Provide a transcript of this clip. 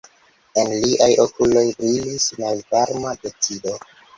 En liaj okuloj brilis malvarma decido.